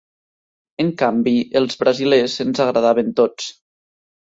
En canvi, els brasilers ens agradaven tots.